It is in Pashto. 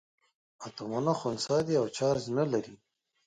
اتومونه خنثي دي او چارج نه لري.